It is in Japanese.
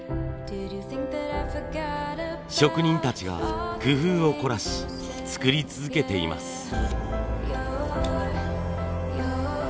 職人たちが工夫を凝らし作り続けています。